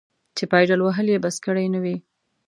چې پایدل وهل یې بس کړي نه وي.